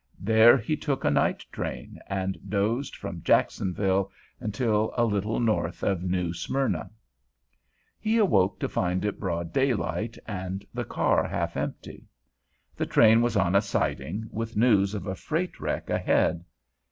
There he took a night train, and dozed from Jacksonville until a little north of New Smyrna. He awoke to find it broad daylight, and the car half empty. The train was on a siding, with news of a freight wreck ahead.